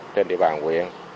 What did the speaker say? trên địa bàn huyền